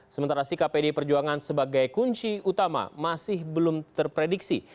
sementara sikap pdi perjuangan sebagai kunci utama masih belum terprediksi